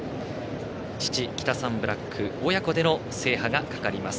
父・キタサンブラック親子での制覇がかかります。